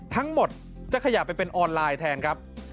ทั้งหมดจะขยับไปเป็นออนไลน์แทนครับ